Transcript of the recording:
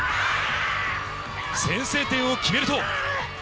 先制点を決めると。